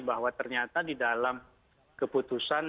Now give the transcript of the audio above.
bahwa ternyata di dalam keputusan